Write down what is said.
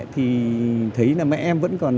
thì thấy là mẹ em vẫn còn